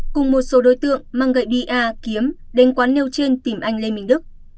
cùng một số đối tượng mang gậy bia kiếm đến quán nêu trên tìm anh lê minh đức